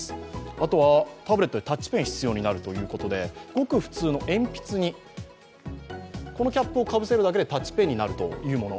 あとはタブレット、タッチペンが必要になるということでごく普通の鉛筆に、このキャップをかぶせるだけでタッチペンになるというもの